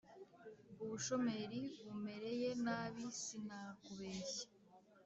Ubushomeri bumereye nabi sinakubeshya